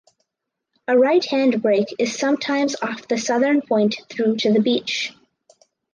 A right hand break is sometimes off the southern point through to the beach.